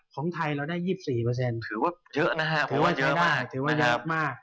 ของไทยเราได้๒๔ถือว่าเยอะนะฮะเพราะว่าเยอะมาก